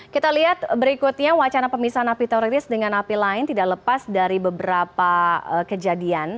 kita lihat berikutnya wacana pemisahan napi teroris dengan napi lain tidak lepas dari beberapa kejadian